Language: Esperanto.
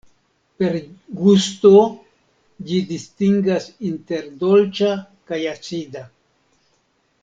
Per gusto ĝi distingas inter dolĉa kaj acida.